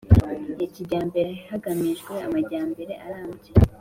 ya kijyambere hagamijwe amajyambere arambye